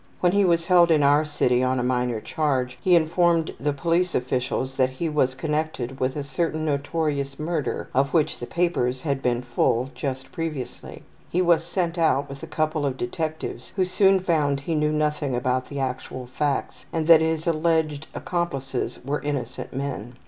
When he was held in our city on a minor charge, he informed the police officials that he was connected with a certain notorious murder of which the papers had been full just previously. He was sent out with a couple of detectives who soon found he knew nothing about the actual facts, and that his alleged accomplices were innocent men.